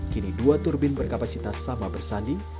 kini dua turbin berkapasitas sama bersanding